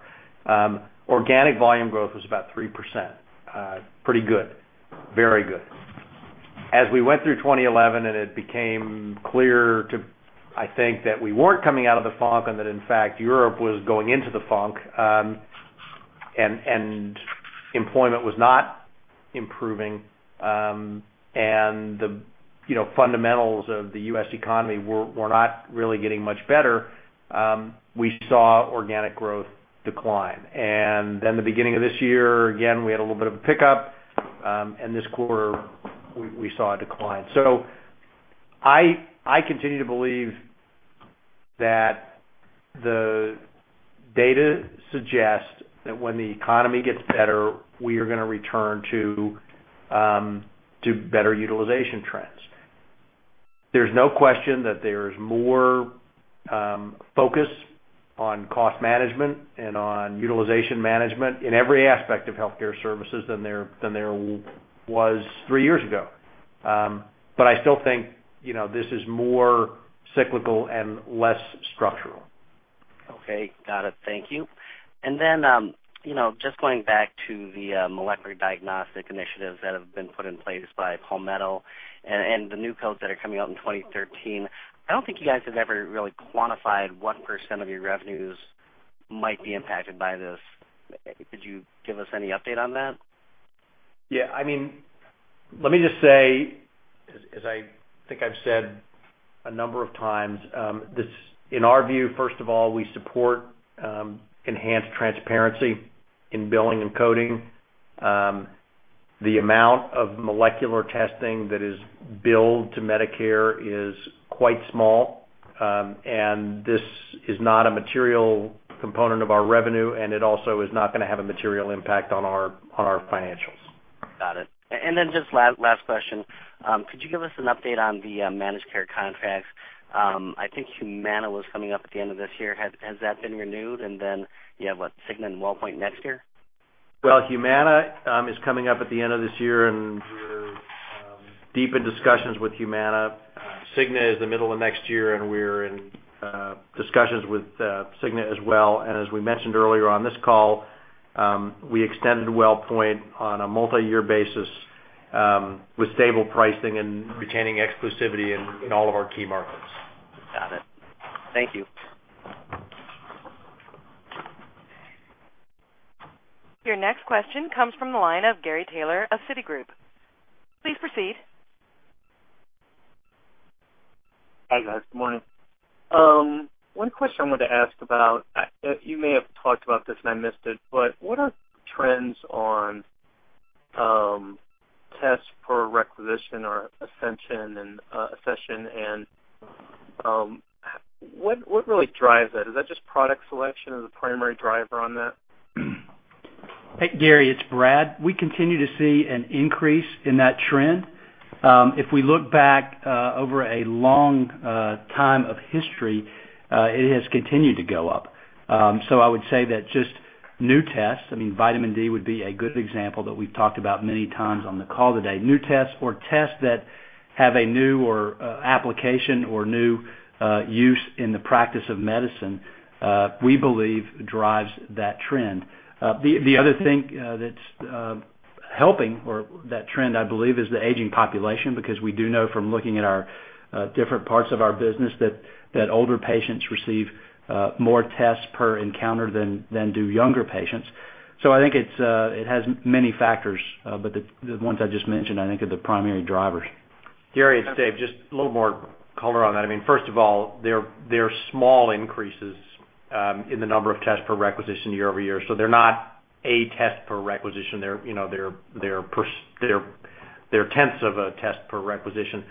organic volume growth was about 3%. Pretty good. Very good. As we went through 2011 and it became clear to, I think, that we weren't coming out of the funk and that, in fact, Europe was going into the funk and employment was not improving and the fundamentals of the U.S. economy were not really getting much better, we saw organic growth decline. At the beginning of this year, again, we had a little bit of a pickup, and this quarter, we saw a decline. I continue to believe that the data suggests that when the economy gets better, we are going to return to better utilization trends. There's no question that there is more focus on cost management and on utilization management in every aspect of healthcare services than there was three years ago. I still think this is more cyclical and less structural. Okay. Got it. Thank you. Just going back to the molecular diagnostic initiatives that have been put in place by Palmetto and the new codes that are coming out in 2013, I do not think you guys have ever really quantified what % of your revenues might be impacted by this. Could you give us any update on that?. Yeah. I mean, let me just say, as I think I've said a number of times, in our view, first of all, we support enhanced transparency in billing and coding. The amount of molecular testing that is billed to Medicare is quite small, and this is not a material component of our revenue, and it also is not going to have a material impact on our financials. Got it. And then just last question. Could you give us an update on the managed care contracts?. I think Humana was coming up at the end of this year. Has that been renewed?. And then you have, what, Cigna and WellPoint next year?. Humana is coming up at the end of this year, and we're deep in discussions with Humana. Cigna is the middle of next year, and we're in discussions with Cigna as well. As we mentioned earlier on this call, we extended WellPoint on a multi-year basis with stable pricing and retaining exclusivity in all of our key markets. Got it. Thank you. Your next question comes from the line of Gary Taylor of Citigroup. Please proceed. Hi, guys. Good morning. One question I wanted to ask about—you may have talked about this and I missed it—but what are trends on tests per requisition or accession and what really drives that?. Is that just product selection as a primary driver on that?. Hey, Gary, it's Brad. We continue to see an increase in that trend. If we look back over a long time of history, it has continued to go up. I would say that just new tests—I mean, vitamin D would be a good example that we've talked about many times on the call today—new tests or tests that have a new application or new use in the practice of medicine, we believe, drives that trend. The other thing that's helping that trend, I believe, is the aging population because we do know from looking at our different parts of our business that older patients receive more tests per encounter than do younger patients. I think it has many factors, but the ones I just mentioned, I think, are the primary drivers. Gary, it's Dave. Just a little more color on that. I mean, first of all, there are small increases in the number of tests per requisition year-over-year. They are not a test per requisition. They are tenths of a test per requisition.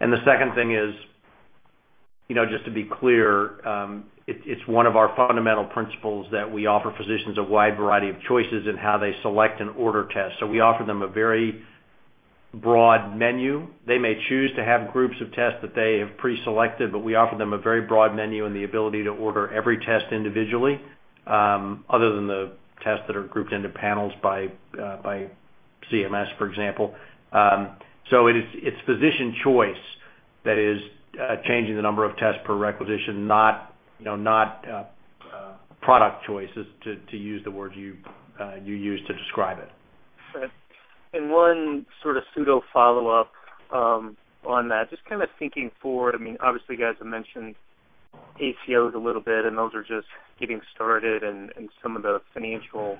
The second thing is, just to be clear, it is one of our fundamental principles that we offer physicians a wide variety of choices in how they select and order tests. We offer them a very broad menu. They may choose to have groups of tests that they have pre-selected, but we offer them a very broad menu and the ability to order every test individually, other than the tests that are grouped into panels by CMS, for example. It is physician choice that is changing the number of tests per requisition, not product choice, to use the word you used to describe it. One sort of pseudo follow-up on that, just kind of thinking forward, I mean, obviously, you guys have mentioned ACOs a little bit, and those are just getting started, and some of the financial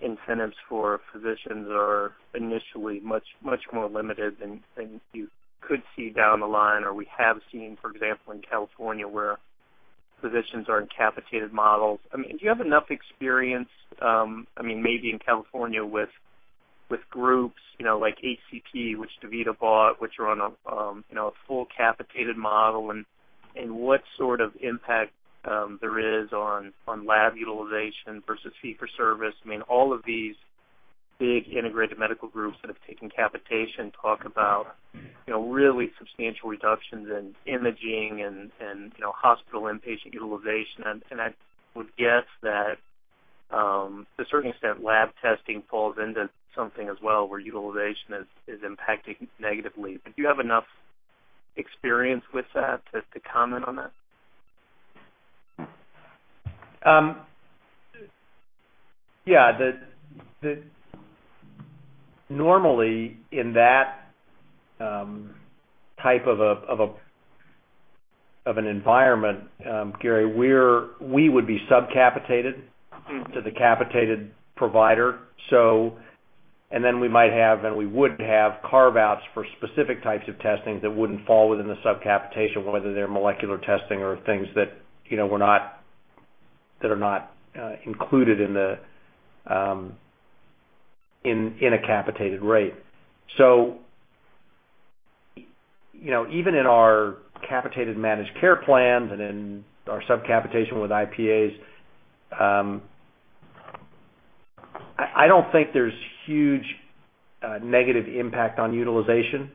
incentives for physicians are initially much more limited than you could see down the line, or we have seen, for example, in California where physicians are in capitated models. I mean, do you have enough experience, I mean, maybe in California with groups like HCP, which DaVita bought, which are on a full capitated model, and what sort of impact there is on lab utilization versus fee-for-service?. I mean, all of these big integrated medical groups that have taken capitation talk about really substantial reductions in imaging and hospital inpatient utilization. I would guess that, to a certain extent, lab testing falls into something as well where utilization is impacting negatively. Do you have enough experience with that to comment on that?. Yeah. Normally, in that type of an environment, Gary, we would be subcapitated to the capitated provider. We might have, and we would have, carve-outs for specific types of testing that would not fall within the subcapitation, whether they're molecular testing or things that are not included in a capitated rate. Even in our capitated managed care plans and in our subcapitation with IPAs, I don't think there's huge negative impact on utilization.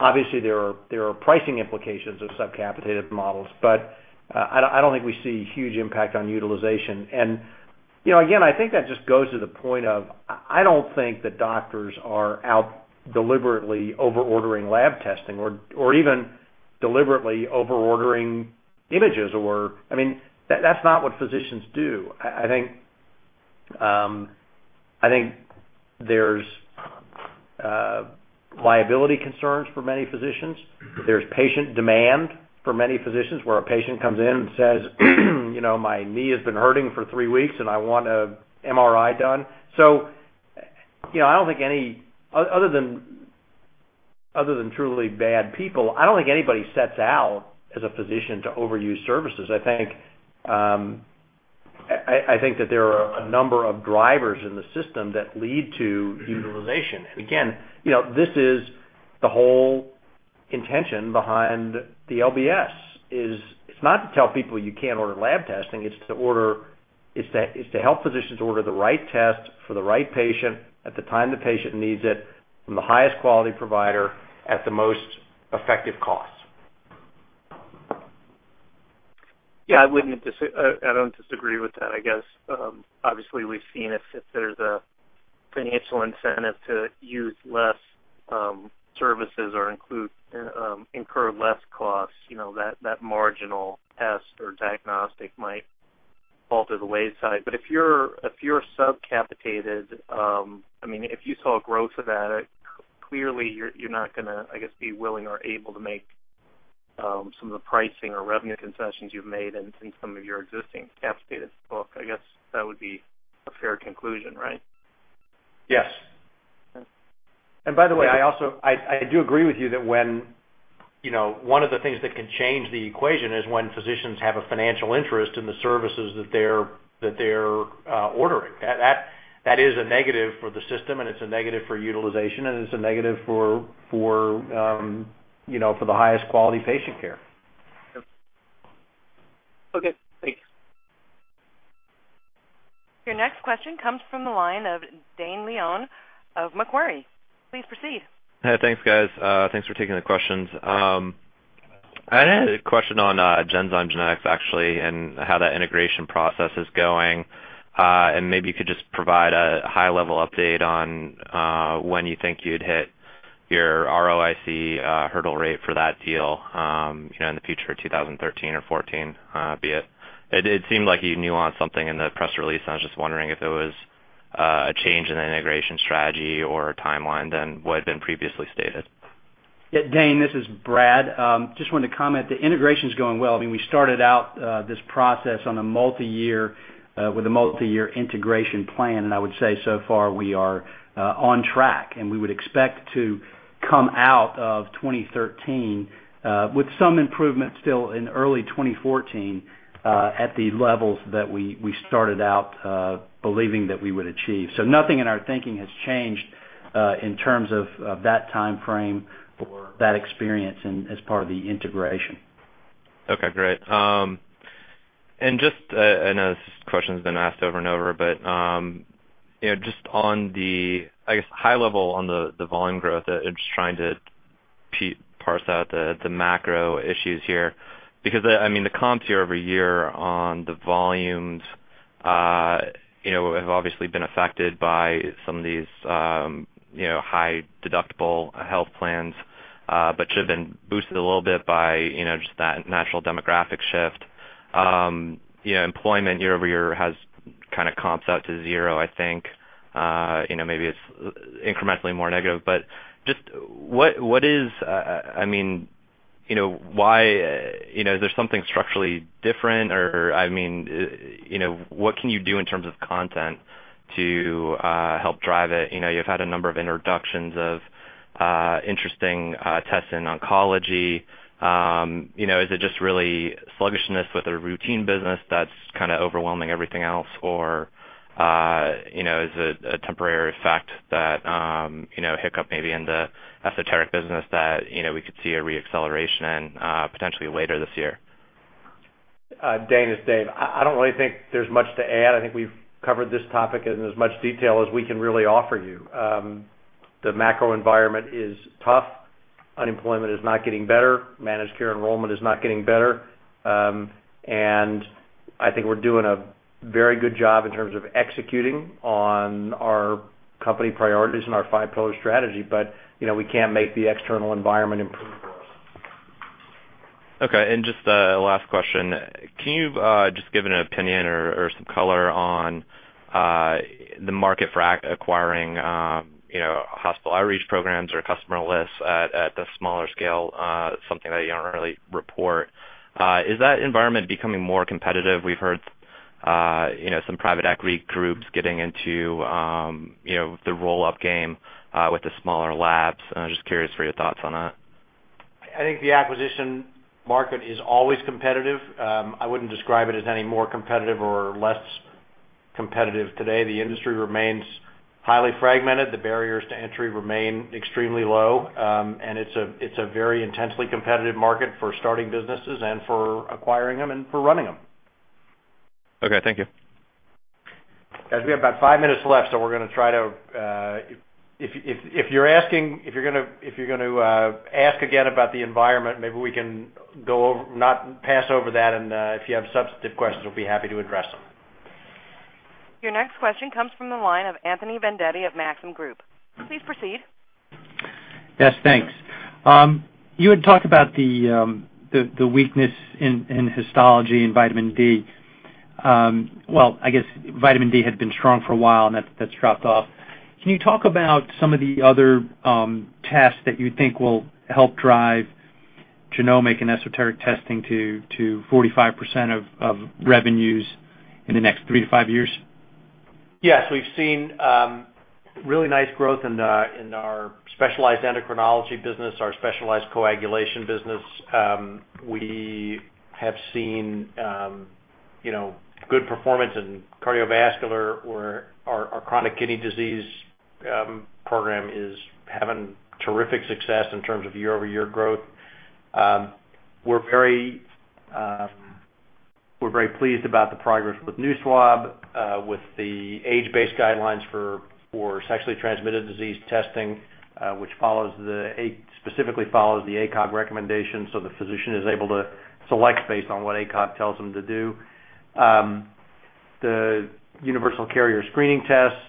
Obviously, there are pricing implications of subcapitated models, but I don't think we see huge impact on utilization. Again, I think that just goes to the point of I do not think that doctors are deliberately over-ordering lab testing or even deliberately over-ordering images or, I mean, that's not what physicians do. I think there's liability concerns for many physicians. There's patient demand for many physicians where a patient comes in and says, "My knee has been hurting for three weeks, and I want an MRI done." I don't think any, other than truly bad people, I don't think anybody sets out as a physician to overuse services. I think that there are a number of drivers in the system that lead to utilization. This is the whole intention behind the LBS. It's not to tell people you can't order lab testing. It's to help physicians order the right test for the right patient at the time the patient needs it from the highest quality provider at the most effective cost. Yeah. I don't disagree with that, I guess. Obviously, we've seen if there's a financial incentive to use less services or incur less costs, that marginal test or diagnostic might fall to the wayside. If you're subcapitated, I mean, if you saw a growth of that, clearly, you're not going to, I guess, be willing or able to make some of the pricing or revenue concessions you've made in some of your existing capitated book. I guess that would be a fair conclusion, right?. Yes. By the way, I do agree with you that one of the things that can change the equation is when physicians have a financial interest in the services that they're ordering. That is a negative for the system, and it's a negative for utilization, and it's a negative for the highest quality patient care. Okay. Thanks. Your next question comes from the line of Dane Leon of Macquarie. Please proceed. Hey, thanks, guys. Thanks for taking the questions. I had a question on Genzyme Genetics, actually, and how that integration process is going. Maybe you could just provide a high-level update on when you think you'd hit your ROIC hurdle rate for that deal in the future, 2013 or 2014, be it. It seemed like you nuanced something in the press release, and I was just wondering if it was a change in the integration strategy or timeline than what had been previously stated. Yeah. Dane, this is Brad. Just wanted to comment. The integration's going well. I mean, we started out this process with a multi-year integration plan, and I would say so far we are on track. We would expect to come out of 2013 with some improvement still in early 2014 at the levels that we started out believing that we would achieve. Nothing in our thinking has changed in terms of that timeframe or that experience as part of the integration. Okay. Great. Just, I know this question's been asked over and over, but just on the, I guess, high-level on the volume growth, just trying to parse out the macro issues here. Because, I mean, the comps year-over-year on the volumes have obviously been affected by some of these high deductible health plans, but should have been boosted a little bit by just that natural demographic shift. Employment year-over-year has kind of comps out to zero, I think. Maybe it's incrementally more negative. Just what is, I mean, why is there something structurally different? I mean, what can you do in terms of content to help drive it?. You've had a number of introductions of interesting tests in oncology. Is it just really sluggishness with a routine business that's kind of overwhelming everything else?. Or is it a temporary fact, that hiccup maybe in the esoteric business, that we could see a re-acceleration in potentially later this year?. Dane its Dave. I do not really think there is much to add. I think we have covered this topic in as much detail as we can really offer you. The macro environment is tough. Unemployment is not getting better. Managed care enrollment is not getting better. I think we are doing a very good job in terms of executing on our company priorities and our five-pillar strategy, but we cannot make the external environment improve for us. Okay. Just the last question. Can you just give an opinion or some color on the market for acquiring hospital outreach programs or customer lists at the smaller scale, something that you do not really report?. Is that environment becoming more competitive?. We have heard some private equity groups getting into the roll-up game with the smaller labs. I am just curious for your thoughts on that. I think the acquisition market is always competitive. I wouldn't describe it as any more competitive or less competitive today. The industry remains highly fragmented. The barriers to entry remain extremely low. It is a very intensely competitive market for starting businesses and for acquiring them and for running them. Okay. Thank you. Guys, we have about five minutes left, so we're going to try to, if you're asking, if you're going to ask again about the environment, maybe we can go over, not pass over that. And if you have substantive questions, we'll be happy to address them. Your next question comes from the line of Anthony Vendetti at Maxim Group. Please proceed. Yes. Thanks. You had talked about the weakness in histology and vitamin D. I guess vitamin D had been strong for a while, and that's dropped off. Can you talk about some of the other tests that you think will help drive genomic and esoteric testing to 45% of revenues in the next three to five years?. Yes. We've seen really nice growth in our specialized endocrinology business, our specialized coagulation business. We have seen good performance in cardiovascular where our chronic kidney disease program is having terrific success in terms of year-over-year growth. We're very pleased about the progress with NuSwab, with the age-based guidelines for sexually transmitted disease testing, which specifically follows the ACOG recommendations. The physician is able to select based on what ACOG tells them to do. The universal carrier screening tests,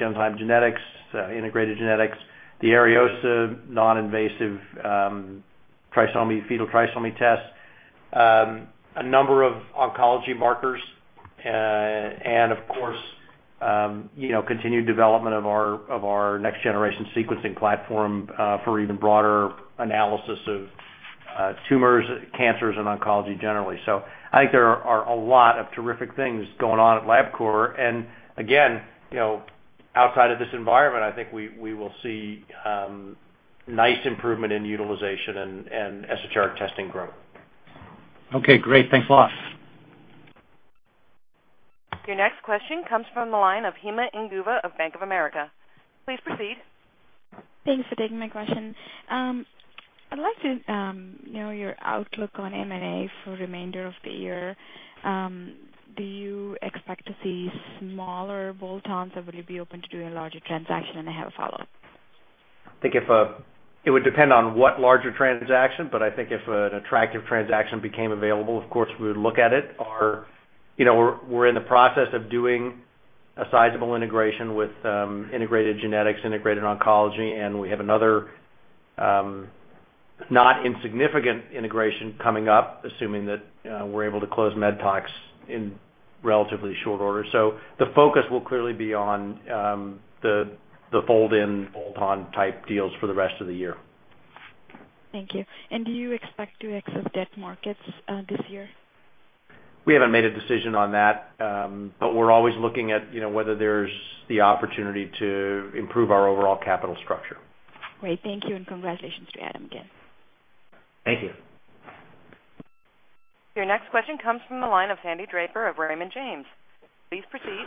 Genzyme Genetics, Integrated Genetics, the Ariosa non-invasive fetal trisomy tests, a number of oncology markers, and of course, continued development of our next-generation sequencing platform for even broader analysis of tumors, cancers, and oncology generally. I think there are a lot of terrific things going on at Labcorp. Again, outside of this environment, I think we will see nice improvement in utilization and esoteric testing growth. Okay. Great. Thanks a lot. Your next question comes from the line of Hima Inguva of Bank of America. Please proceed. Thanks for taking my question. I'd like to know your outlook on M&A for the remainder of the year. Do you expect to see smaller bolt-ons?. Would you be open to doing a larger transaction?. I have a follow-up. I think it would depend on what larger transaction. But I think if an attractive transaction became available, of course, we would look at it. We're in the process of doing a sizable integration with Integrated Genetics, Integrated Oncology, and we have another not insignificant integration coming up, assuming that we're able to close MedTox in relatively short order. The focus will clearly be on the fold-in, bolt-on type deals for the rest of the year. Thank you. Do you expect to access debt markets this year?. We haven't made a decision on that, but we're always looking at whether there's the opportunity to improve our overall capital structure. Great. Thank you. Congratulations to Adam again. Thank you. Your next question comes from the line of Sandy Draper of Raymond James. Please proceed.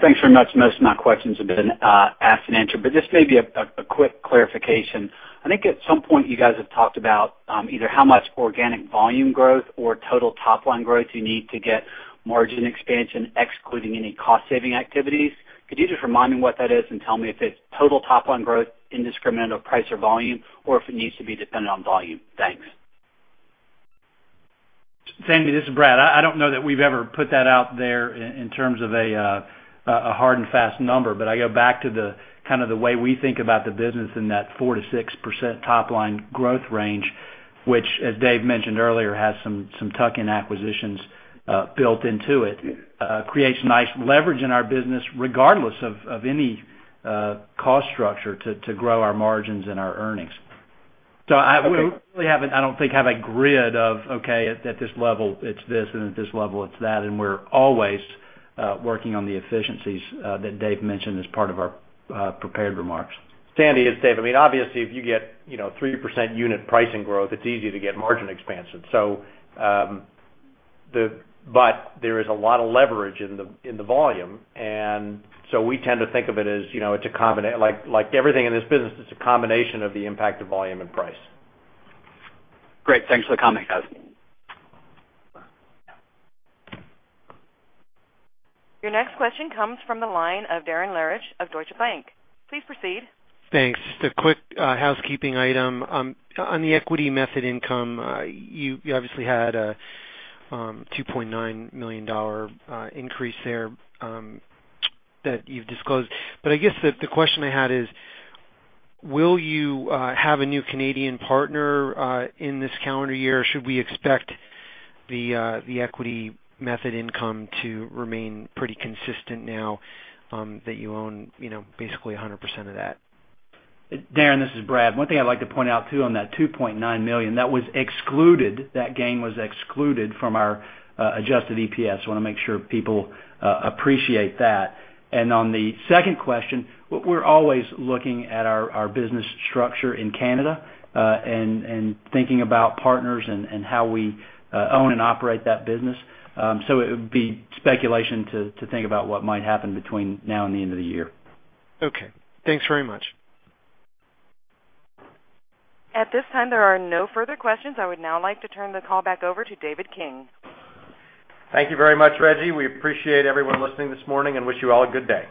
Thanks very much. Most of my questions have been asked and answered. Just maybe a quick clarification. I think at some point you guys have talked about either how much organic volume growth or total topline growth you need to get margin expansion, excluding any cost-saving activities. Could you just remind me what that is and tell me if it's total topline growth, indiscriminate of price or volume, or if it needs to be dependent on volume?. Thanks. Sandy, this is Brad. I don't know that we've ever put that out there in terms of a hard and fast number. I go back to kind of the way we think about the business in that 4%-6% topline growth range, which, as Dave mentioned earlier, has some tuck-in acquisitions built into it. It creates nice leverage in our business regardless of any cost structure to grow our margins and our earnings. I don't think I have a grid of, "Okay. At this level, it's this. At this level, it's that." We're always working on the efficiencies that Dave mentioned as part of our prepared remarks. Sandy, it's Dave. I mean, obviously, if you get 3% unit pricing growth, it's easy to get margin expansion. There is a lot of leverage in the volume. We tend to think of it as it's a combination, like everything in this business, it's a combination of the impact of volume and price. Great. Thanks for the comment, guys. Your next question comes from the line of Darren Lehrich of Deutsche Bank. Please proceed. Thanks. Just a quick housekeeping item. On the equity method income, you obviously had a $2.9 million increase there that you've disclosed. I guess the question I had is, will you have a new Canadian partner in this calendar year, or should we expect the equity method income to remain pretty consistent now that you own basically 100% of that?. Darren, this is Brad. One thing I'd like to point out too on that $2.9 million, that was excluded. That gain was excluded from our adjusted EPS. I want to make sure people appreciate that. On the second question, we're always looking at our business structure in Canada and thinking about partners and how we own and operate that business. It would be speculation to think about what might happen between now and the end of the year. Okay. Thanks very much. At this time, there are no further questions. I would now like to turn the call back over to David King. Thank you very much, Reg. We appreciate everyone listening this morning and wish you all a good day.